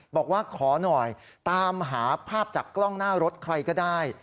บอกว่าขอหน่อยตามหาภาพจากกล้องหน้ารถใครก็ได้